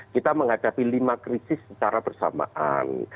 kita menghadapi lima krisis secara bersamaan